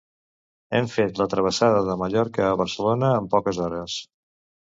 Hem fet la travessada de Mallorca a Barcelona en poques hores.